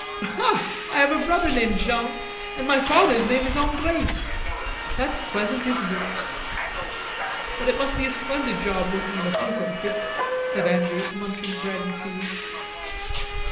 "I have a brother named Jean, and my father's name is Andre. That's pleasant, isn't it?" "But it must be a splendid job, working in a fruit orchard," said Andrews, munching bread and cheese.